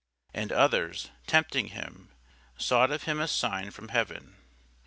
And others, tempting him, sought of him a sign from heaven.